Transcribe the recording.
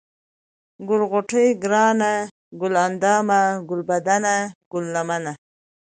ګل غوټۍ ، گرانه ، گل اندامه ، گلبدنه ، گل لمنه ،